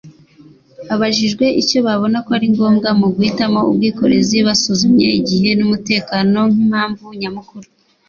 Abajijwe icyo babona ko ari ngombwa mu guhitamo ubwikorezi basuzumye igihe n'umutekano nk'impamvu nyamukuru